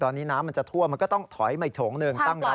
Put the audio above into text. ตอนนี้น้ำมันจะทั่วมันก็ต้องถอยมาอีกโถงหนึ่งตั้งร้าน